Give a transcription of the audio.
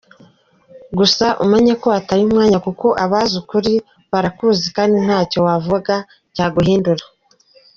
Gusa umenye ko wataye umwanya kuko abazi ukuri barakuzi kandi ntacyo wavuga cyaguhindura.